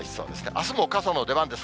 あすも傘の出番です。